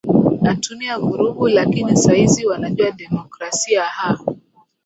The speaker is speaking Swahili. atumia vurugu lakini saa hizi wanajua democrasia ha